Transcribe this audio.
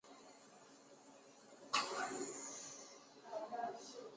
与五百三公祠的受祀者都合葬于弥陀寺东侧的义民塔。